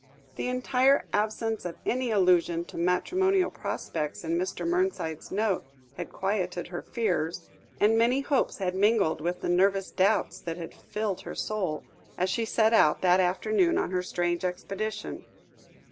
The entire absence of any allusion to matrimonial prospects in Mr. Mernside's note had quieted her fears, and many hopes had mingled with the nervous doubts that had filled her soul as she set out that afternoon on her strange expedition.